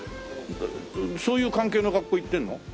そういう関係の学校行ってるの？